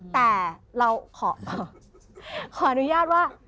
แต่เราขออนุญาตว่า